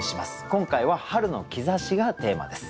今回は「春の兆し」がテーマです。